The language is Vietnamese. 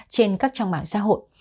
trên các trang mạng xã hội